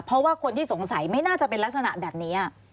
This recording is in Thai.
เพราะว่าคนที่สงสัยไม่น่าจะเป็นลักษณะแบบนี้